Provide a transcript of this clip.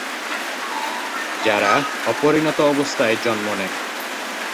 যারা অপরিণত অবস্থায় জন্ম নেয়।